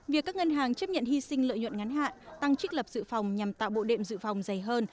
việc các ngân hàng chấp nhận hy sinh lợi nhuận ngắn hạn tăng trích lập dự phòng nhằm tạo bộ đệm dự phòng dày hơn